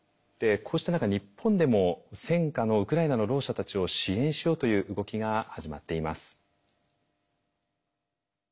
こうした中日本でも戦禍のウクライナのろう者たちを支援しようという動きが始まっています。